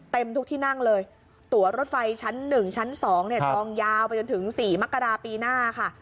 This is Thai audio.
เต็มทุกที่นั่งเลยตัวรถไฟชั้น๑ชั้น๒เนี่ยจองยาวไปจนถึง๔มกราปีหน้าค่ะ